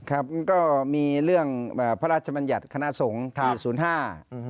ครับก็มีเรื่องพระราชบรรยษคณะสงตร์ที่๐๕